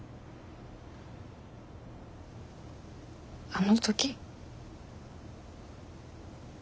あの時。